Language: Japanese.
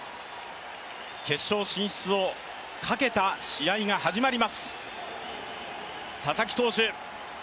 決勝進出をかけた試合が始まります。